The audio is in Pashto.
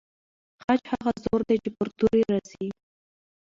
خج هغه زور دی چې پر توري راځي.